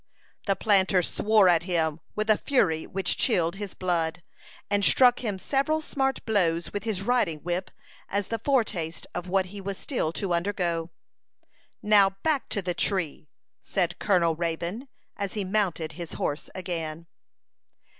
The planter swore at him with a fury which chilled his blood, and struck him several smart blows with his riding whip as the foretaste of what he was still to undergo. "Now, back to the tree," said Colonel Raybone, as he mounted his horse again.